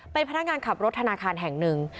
เป็นพนักงานขับรถธนาคารแห่งหนึ่ง